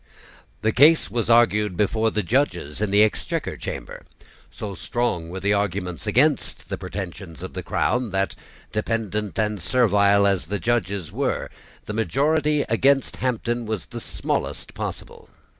The case was argued before the judges in the Exchequer Chamber. So strong were the arguments against the pretensions of the crown that, dependent and servile as the judges were, the majority against Hampden was the smallest possible.